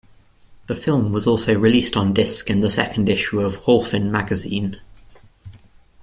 The film was also released on disk in the second issue of "Wholphin Magazine".